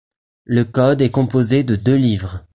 Le code est composé de deux livres.